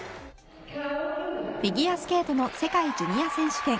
フィギュアスケートの世界ジュニア選手権。